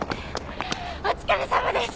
お疲れさまです！